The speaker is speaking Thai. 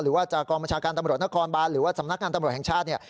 ว่าจากกองบัญชาการตำรวจนครบานหรือว่าสำนักงานตำรวจแห่งชาติเนี่ย